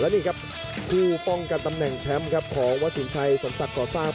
นี่ครับคู่ป้องกันตำแหน่งแชมป์ครับของวัดสินชัยสมศักดิ์ก่อสร้าง